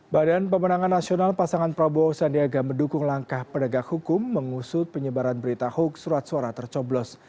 badan pemenangan nasional pasangan prabowo sandiaga mendukung langkah penegak hukum mengusut penyebaran berita hoax surat suara tercoblos